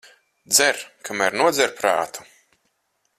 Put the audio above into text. Dzer, kamēr nodzer prātu.